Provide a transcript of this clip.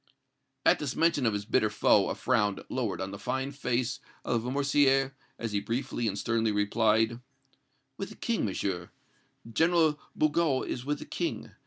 At this mention of his bitter foe, a frown lowered on the fine face of Lamoricière, as he briefly and sternly replied: "With the King, Monsieur General Bugeaud is with the King.